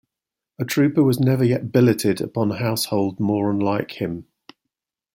A trooper was never yet billeted upon a household more unlike him.